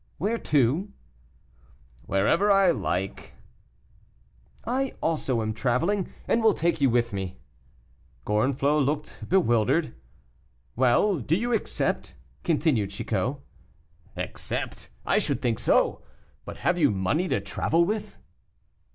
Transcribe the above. "Where to?" "Wherever I like." "I also am traveling, and will take you with me." Gorenflot looked bewildered. "Well! do you accept?" continued Chicot. "Accept! I should think so. But have you money to travel with?"